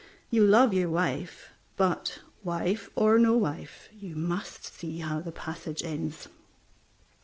You love your wife, but, wife or no wife, you must see how the passage ends.